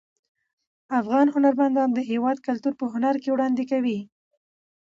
افغان هنرمندان د هیواد کلتور په هنر کې وړاندې کوي.